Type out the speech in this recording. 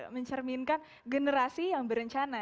mencerminkan generasi yang berencana